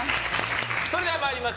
それでは参ります。